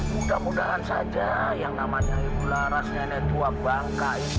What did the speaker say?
mudah mudahan saja yang namanya ibu lara sendiri itu orang tua bangkai